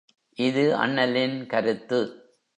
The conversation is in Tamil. இது அண்ணலின் கருத்து.